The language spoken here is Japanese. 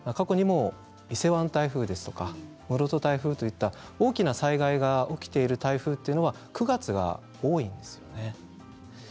伊勢湾台風ですとか室戸台風といった大きな災害が起きている台風は９月が多いんですね。